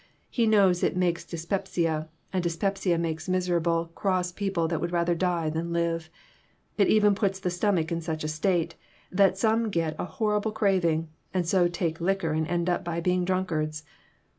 He knows it makes dyspepsia, and dyspepsia makes miserable, cross people that would rather die than live. It even puts the stomach in such a state that some get a horrible craving, and so take liquor and end up by being drunkards.